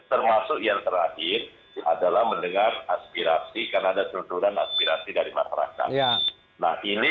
termasuk yang terakhir adalah mendengar aspirasi karena ada tunturan aspirasi dari masyarakat